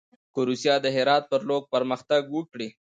که روسیه د هرات پر لور پرمختګ وکړي.